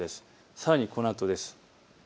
さらにこのあとです。